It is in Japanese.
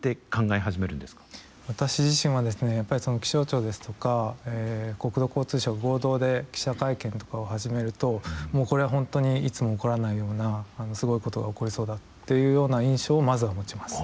私自身はですね気象庁ですとか国土交通省合同で記者会見とかを始めるともうこれは本当にいつも起こらないようなすごいことが起こりそうだっていうような印象をまずは持ちます。